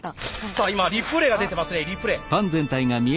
さあ今リプレーが出てますねリプレー。